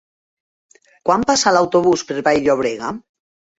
Quan passa l'autobús per Vall-llobrega?